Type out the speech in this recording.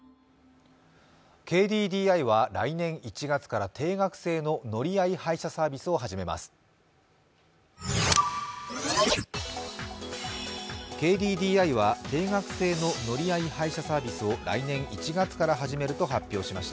ＫＤＤＩは来年１月から乗り合い制の定額制の乗合配車サービスを始めます。